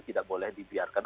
tidak boleh dibiarkan